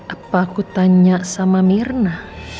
apa aku tanya sama mirna